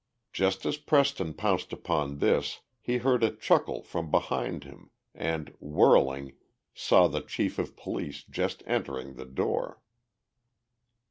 Just as Preston pounced upon this he heard a chuckle from behind him and, whirling, saw the chief of police just entering the door.